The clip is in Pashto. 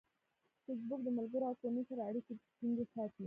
فېسبوک د ملګرو او کورنۍ سره اړیکې ټینګې ساتي.